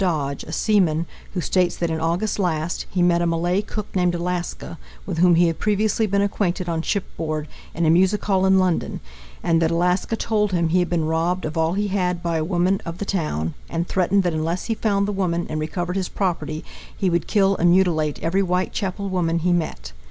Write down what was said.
Dodge, a seaman, who states that in August last he met a Malay cook named Alaska, with whom he had previously been acquainted on shipboard, in a music hall in London, and that Alaska told him he had been robbed of all he had by a woman of the town, and threatened that unless he found the woman and recovered his property, he would kill and mutilate every Whitechapel woman he met.